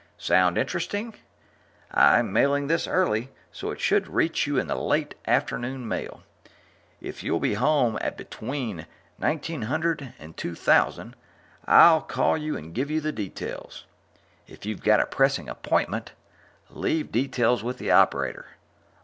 Sound interesting? I'm mailing this early, so it should reach you in the late afternoon mail. If you'll be at home between 1900 and 2000, I'll call you and give you the details. If you've got a pressing appointment, leave details with the operator.